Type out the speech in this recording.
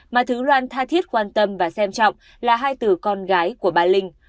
mà thứ loan tha thiết quan tâm và xem trọng là hai từ con gái của bà linh